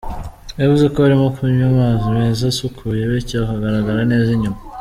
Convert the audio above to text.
Yavuze ko harimo kunywa amazi meza asukuye bityo akagaragara neza inyuma.